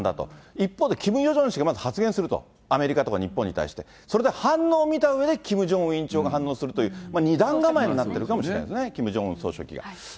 一方で、キム・ヨジョン氏がまず発言すると、アメリカとか日本に対して。それで反応を見たうえで、キム・ジョンウン委員長が反応するという、２段構えになってるかもしれないですね。